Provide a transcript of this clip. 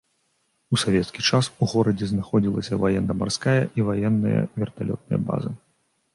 У савецкі час у горадзе знаходзіліся ваенна-марская і ваенная верталётная база.